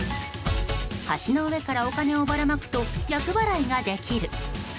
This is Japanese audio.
橋の上からお金をばらまくと厄払いができる。